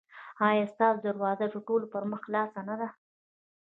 ایا ستاسو دروازه د ټولو پر مخ خلاصه نه ده؟